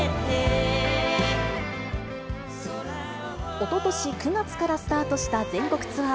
おととし９月からスタートした全国ツアー。